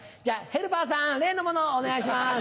ヘルパーさん例のものお願いします。